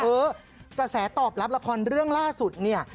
กระแสตอบรับละครเรื่องล่าสุดเนี่ย